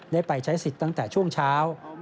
ได้ไปใช้สิทธิ์ตั้งแต่ช่วงเช้า